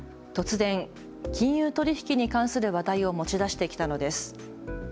突然、金融取り引きに関する話題を持ち出してきたのです。